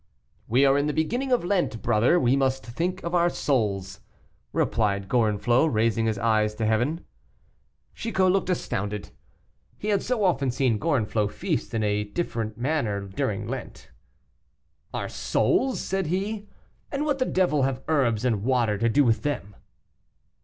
"We are in the beginning of Lent, brother; we must think of our souls," replied Gorenflot, raising his eyes to heaven. Chicot looked astounded; he had so often seen Gorenflot feast in a different manner during Lent. "Our souls!" said he; "and what the devil have herbs and water to do with them?"